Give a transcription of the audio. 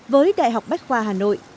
với đại học bách khoa hà nội